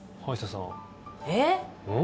えっ？